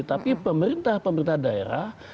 tapi pemerintah pemerintah daerah